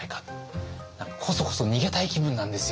何かこそこそ逃げたい気分なんですよね。